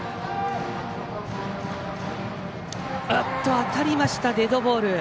当たりましたデッドボール。